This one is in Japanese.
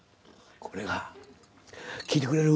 これが聞いてくれる？